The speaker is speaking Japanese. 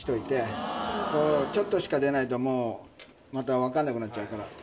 ちょっとしか出ないともうまた分かんなくなっちゃうから。